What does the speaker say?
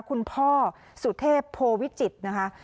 คุณพ่อสุเทพโพวิจิตรนะคะ